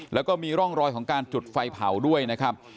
แล้วก็มีร่องรอยของการจุดไฟเผาด้วยนะครับ